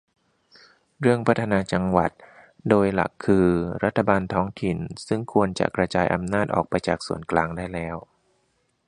เรื่องพัฒนาจังหวัด โดยหลักคือรัฐบาลท้องถิ่น ซึ่งควรจะกระจายอำนาจออกไปจากส่วนกลางได้แล้ว